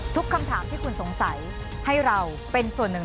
คำถามที่คุณสงสัยให้เราเป็นส่วนหนึ่ง